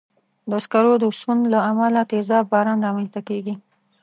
د سکرو د سون له امله تېزاب باران رامنځته کېږي.